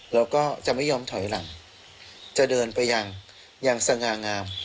เราก็จะไม่ยอมถอยหลังจะเดินไปอย่างสง่างาม